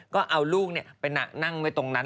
ก็เอาลูกไปนั่งไว้ตรงนั้น